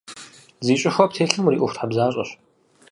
Зи щIыхуэ птелъым уриIуэхутхьэбзащIэщ.